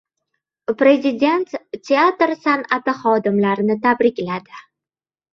Prezident teatr san’ati xodimlarini tabrikladi